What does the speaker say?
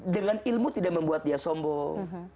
dengan ilmu tidak membuat dia sombong